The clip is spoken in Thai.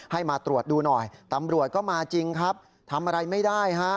มาตรวจดูหน่อยตำรวจก็มาจริงครับทำอะไรไม่ได้ฮะ